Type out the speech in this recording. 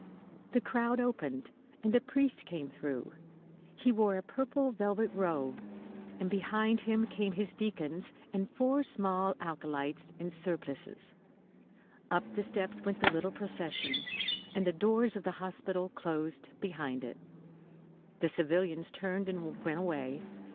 The crowd opened, and the priest came through. He wore a purple velvet robe, and behind him came his deacons and four small acolytes in surplices. Up the steps went the little procession. And the doors of the hospital closed behind it. The civilians turned and went away.